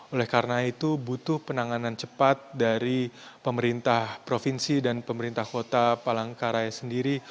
oleh karena itu butuh penanganan cepat dari pemerintah provinsi dan pemerintah kota palangkaraya sendiri